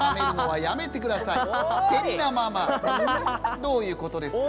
どういうことですか？